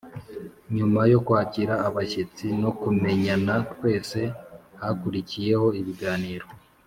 nyuma yo kwakira abashyitsi no kumenyana twese, hakurikiyeho ibiganiro.